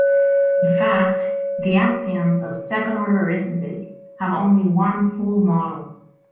In fact, the axioms of second-order arithmetic have only one full model.